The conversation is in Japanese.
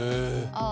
ああ。